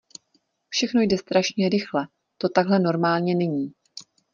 Všechno jde strašně rychle, to takhle normálně není.